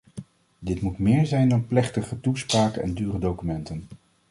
Dit moet meer zijn dan plechtige toespraken en dure documenten.